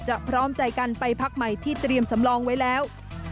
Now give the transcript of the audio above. พร้อมใจกันไปพักใหม่ที่เตรียมสำรองไว้แล้ว